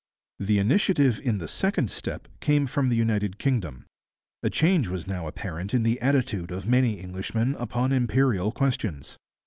The initiative in the second step came from the United Kingdom. A change was now apparent in the attitude of many Englishmen upon imperial questions.